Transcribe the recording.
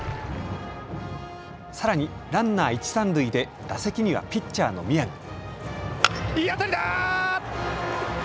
さらにランナー一、三塁で打席にはピッチャーの宮城。